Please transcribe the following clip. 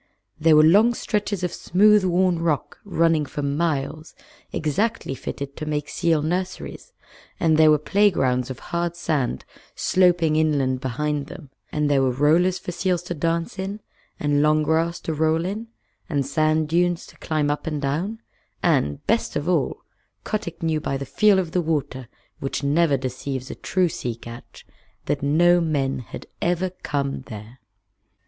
There were long stretches of smooth worn rock running for miles, exactly fitted to make seal nurseries, and there were play grounds of hard sand sloping inland behind them, and there were rollers for seals to dance in, and long grass to roll in, and sand dunes to climb up and down, and, best of all, Kotick knew by the feel of the water, which never deceives a true sea catch, that no men had ever come there.